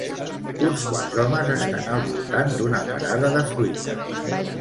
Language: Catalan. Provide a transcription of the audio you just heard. uns quants homes estan al voltant d'una parada de fruita.